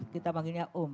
kita panggilnya um